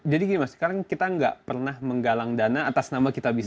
jadi gini mas sekarang kita nggak pernah menggalang dana atas nama kitabisa